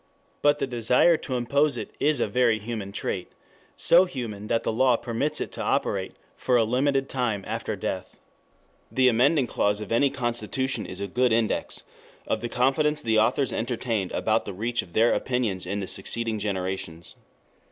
But the desire to impose it is a very human trait, so human that the law permits it to operate for a limited time after death. The amending clause of any constitution is a good index of the confidence the authors entertained about the reach of their opinions in the succeeding generations.